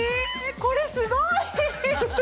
これすごい！